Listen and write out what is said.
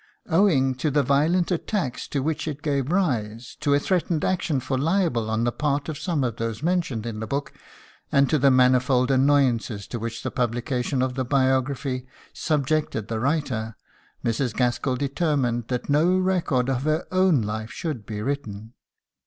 Owing to the violent attacks to which it gave rise, to a threatened action for libel on the part of some of those mentioned in the book, and to the manifold annoyances to which the publication of the Biography subjected the writer, Mrs. Gaskell determined that no record of her own life should be written.